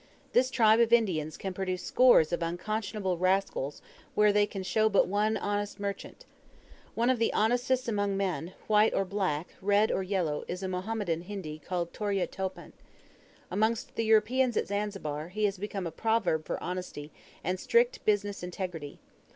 This tribe of Indians can produce scores of unconscionable rascals where they can show but one honest merchant. One of the honestest among men, white or black, red or yellow, is a Mohammedan Hindi called Tarya Topan. Among the Europeans at Zanzibar, he has become a proverb for honesty, and strict business integrity.